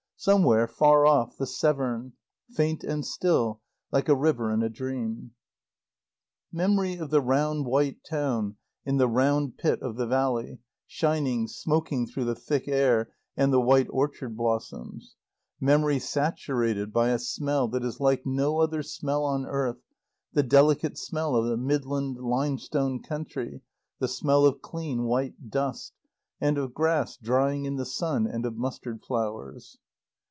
Somewhere, far off, the Severn, faint and still, like a river in a dream. Memory of the round white town in the round pit of the valley, shining, smoking through the thick air and the white orchard blossoms; memory saturated by a smell that is like no other smell on earth, the delicate smell of the Midland limestone country, the smell of clean white dust, and of grass drying in the sun and of mustard flowers.